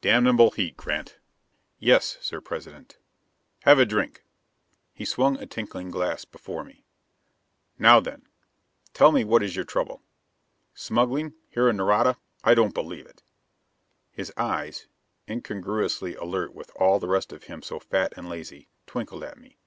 "Damnable heat, Grant." "Yes, Sir President." "Have a drink." He swung a tinkling glass before me. "Now then, tell me what is your trouble. Smuggling, here in Nareda. I don't believe it." His eyes, incongruously alert with all the rest of him so fat and lazy, twinkled at me.